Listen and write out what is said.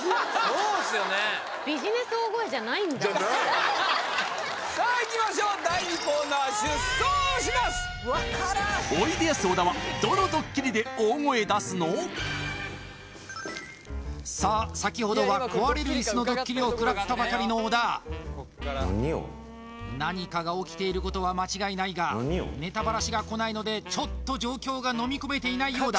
そうっすよねじゃないさあいきましょうおいでやす小田はさあ先ほどは壊れる椅子のドッキリをくらったばかりの小田何かが起きていることは間違いないがネタばらしが来ないのでちょっと状況がのみ込めていないよう